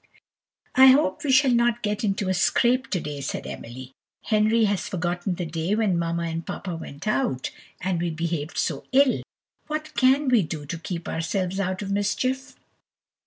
"I hope we shall not get into a scrape to day," said Emily: "Henry has forgotten the day when mamma and papa went out, and we behaved so ill; what can we do to keep ourselves out of mischief?"